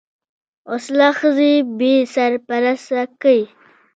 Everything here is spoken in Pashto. وسله ښځې بې سرپرسته کوي